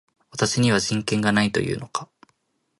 私には人権がないと言うのか